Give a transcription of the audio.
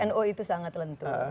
nu itu sangat lentur